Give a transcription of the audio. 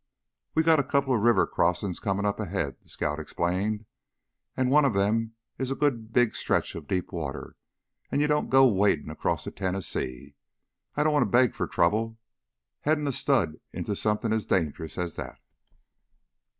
"We got a couple of river crossin's comin' up ahead," the scout explained. "And one of them is a good big stretch of deep water you don't go wadin' across the Tennessee. I don't want to beg for trouble, headin' a stud into somethin' as dangerous as that."